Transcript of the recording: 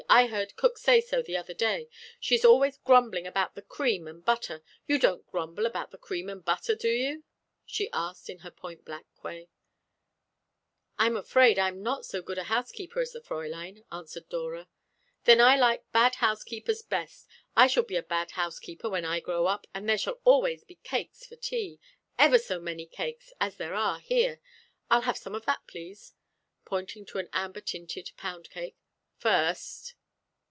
I heard cook say so the other day. She is always grumbling about the cream and butter. You don't grumble about the cream and butter, do you?" she asked, in her point blank way. "I'm afraid I'm not so good a housekeeper as the Fräulein," answered Dora. "Then I like bad housekeepers best. I shall be a bad housekeeper when I grow up, and there shall always be cakes for tea ever so many cakes, as there are here. I'll have some of that, please," pointing to an amber tinted pound cake, "first."